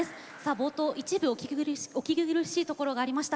冒頭一部お聞き苦しいところがありました